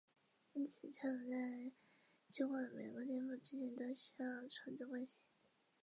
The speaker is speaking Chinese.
因此车轮在经过每个颠簸之前都须被重置惯性。